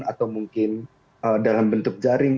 atau mungkin dalam bentuk jaring